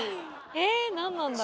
え何なんだろ？